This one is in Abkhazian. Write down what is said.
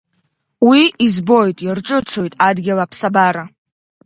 Уи, избоит, иарҿыцуеит, адгьыл, аԥсабара.